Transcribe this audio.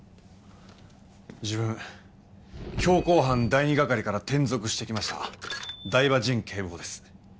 自分強行犯第二係から転属して来ました台場陣警部補です。